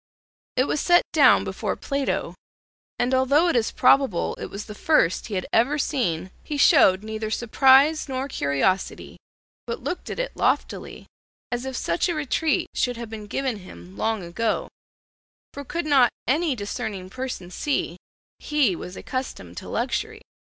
It was set down before Plato, and although it is probable it was the first he had ever seen, he showed neither surprise nor curiosity, but looked at it loftily as if such a retreat should have been given him long ago, for could not any discerning person see he was accustomed to luxury?